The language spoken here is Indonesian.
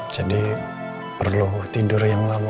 jadi perlu tidur yang lama